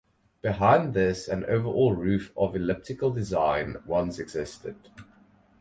Behind this an overall roof of elliptical design once existed.